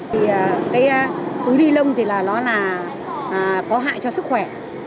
thì cái túi đi lông thì nó là có hại cho sức khỏe